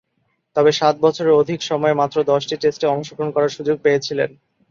তবে, সাত বছরের অধিক সময়ে মাত্র দশটি টেস্টে অংশগ্রহণ করার সুযোগ পেয়েছিলেন।